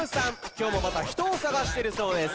今日もまた人を探してるそうです